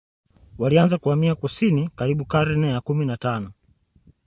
Walianza kuhamia kusini karibu na karne ya kumi na tano